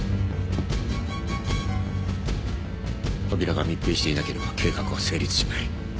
扉が密閉していなければ計画は成立しない。